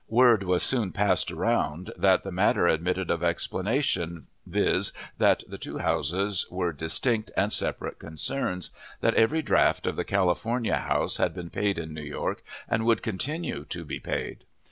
Word was soon passed round that the matter admitted of explanation, viz., that the two houses were distinct and separate concerns, that every draft of the California house had been paid in New York, and would continue to be paid.